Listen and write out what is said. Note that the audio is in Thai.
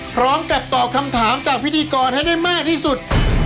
พร้อมกับตอบคำถามจากพิธีกรให้ได้มากที่สุด